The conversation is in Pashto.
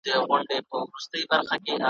ورځي ستړو منډو یووړې شپې د ګور غیږي ته لویږي ,